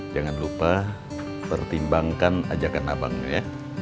jangan lupa pertimbangkan ajakan abangnya ya